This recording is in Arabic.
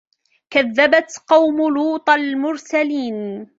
كذبت قوم لوط المرسلين